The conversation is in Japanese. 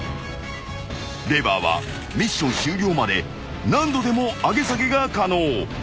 ［レバーはミッション終了まで何度でも上げ下げが可能］